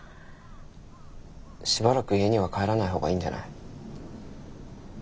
しばらく家には帰らない方がいいんじゃない？